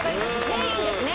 全員ですね。